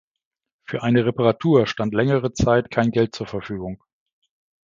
Für eine Reparatur stand längere Zeit kein Geld zur Verfügung.